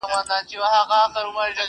د دې نوي کفن کښ نوې نخره وه؛